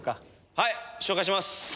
はい紹介します。